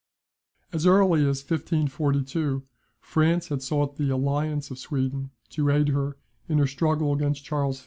As early as 1542 France had sought the alliance of Sweden to aid her in her struggle against Charles V.